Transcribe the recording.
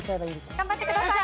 頑張ってください。